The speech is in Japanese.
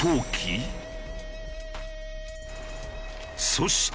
そして。